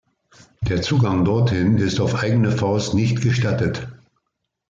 Der Zugang dorthin ist auf eigene Faust nicht gestattet.